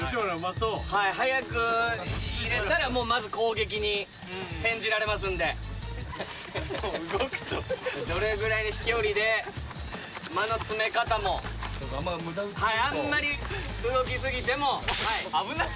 そうはい早く入れたらまず攻撃に転じられますんでもう動くとどれぐらいの飛距離で間の詰め方もあんま無駄撃ちするとはいあんまり動きすぎても危ない！